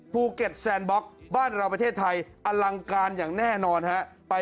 ภูเก็ตแซนบล็อกบ้านเราประเทศไทยอลังการอย่างแน่นอนฮะไป